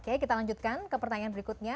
oke kita lanjutkan ke pertanyaan berikutnya